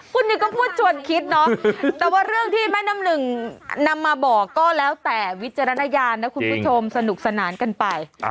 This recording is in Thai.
คุณนี่ก็พูดชวนคิดเนาะแต่ว่าเรื่องที่แม่น้ำหนึ่งนำมาบอกก็แล้วแต่วิจารณญาณนะคุณผู้ชมสนุกสนานกันไป